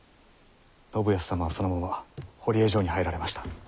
信康様はそのまま堀江城に入られました。